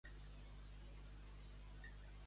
Deixar bon bony.